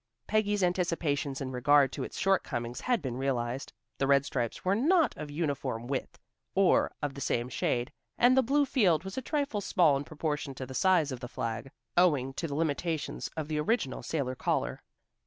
Peggy's anticipations in regard to its shortcomings had been realized. The red stripes were not of uniform width, or of the same shade, and the blue field was a trifle small in proportion to the size of the flag, owing to the limitations of the original sailor collar.